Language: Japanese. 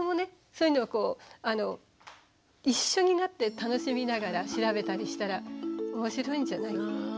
そういうのをこう一緒になって楽しみながら調べたりしたら面白いんじゃない？